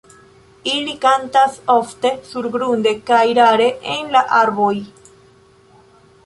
Ili kantas ofte surgrunde kaj rare en la arboj.